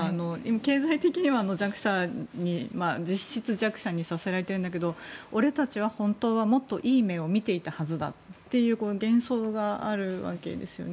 経済的には実質弱者にさせられてるんだけど俺たちは本当はもっといい目を見ていたはずだという幻想があるわけですよね。